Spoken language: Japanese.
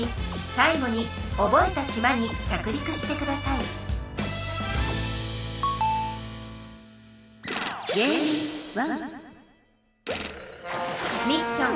最後に覚えた島に着陸してくださいミッション。